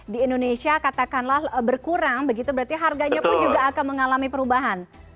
di indonesia katakanlah berkurang begitu berarti harganya pun juga akan mengalami perubahan